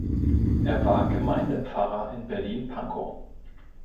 Er war Gemeindepfarrer in Berlin-Pankow.